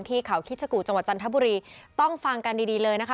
ที่เขาขี้ขกู่จังหวัดชันถบุรีต้องฟังกันดีเลยนะคะ